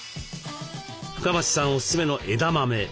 深町さんおすすめの枝豆。